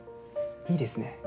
いいですね。